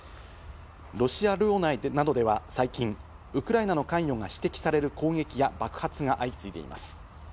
ロシア領内などでは最近、ウクライナの関与が指摘される攻撃や爆発が相次いでいます。